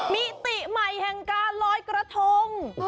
มิติใหม่แห่งการลอยกระทง